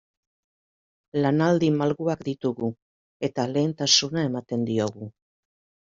Lanaldi malguak ditugu eta lehentasuna ematen diogu.